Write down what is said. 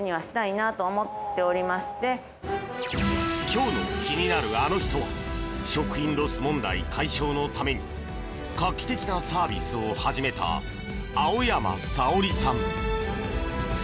今日の気になるアノ人食品ロス問題解消のために画期的なサービスを始めた青山沙織さん。